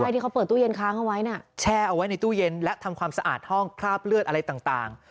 ที่เขาเปิดตู้เย็นค้างเอาไว้น่ะแช่เอาไว้ในตู้เย็นและทำความสะอาดห้องคราบเลือดอะไรต่าง